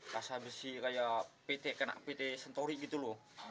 rasa besi kayak pt kena pt sentori gitu loh